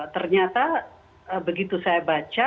ternyata begitu saya baca